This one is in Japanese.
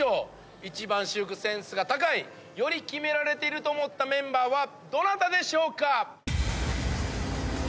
一番私服センスが高いよりキメられてると思ったメンバーはどなたでしょうか？